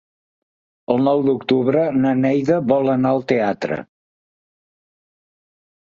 El nou d'octubre na Neida vol anar al teatre.